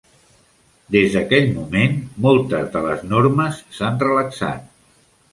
Des d'aquell moment, moltes de les normes s'han relaxat.